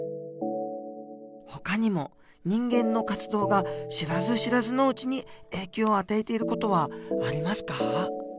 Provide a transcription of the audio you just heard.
ほかにも人間の活動が知らず知らずのうちに影響を与えている事はありますか？